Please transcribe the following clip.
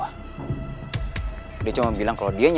bagaimana munculkan kelola dia gitu ya